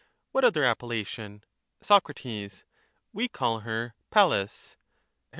What other appellation? Soc. We call her Pallas. Her.